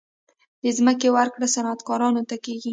د ځمکې ورکړه صنعتکارانو ته کیږي